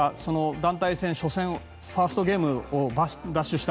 団体戦初戦ファーストゲームを奪取した。